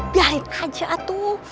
biarin aja tuh